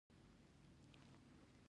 دا مبادله د پیسو په وسیله وشوه.